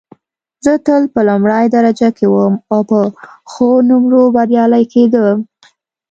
زه تل په لومړۍ درجه کې وم او په ښو نومرو بریالۍ کېدم